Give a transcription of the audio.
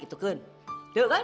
tante kan juga bahu pulang